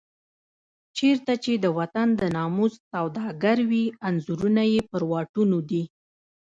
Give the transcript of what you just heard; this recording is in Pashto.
چېرته چې د وطن د ناموس سوداګر وي انځورونه یې پر واټونو دي.